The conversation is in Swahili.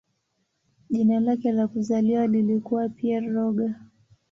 Jina lake la kuzaliwa lilikuwa "Pierre Roger".